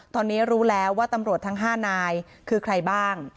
ตอนนี้รู้แล้วว่าตำรวจทั้ง๕นายคือใครบ้าง